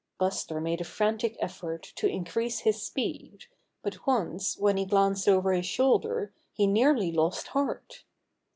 Buster made a frantic effort to increase his speed, but once when he glanced over his shoulder he nearly lost heart.